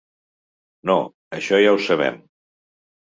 No, això ja ho sabem.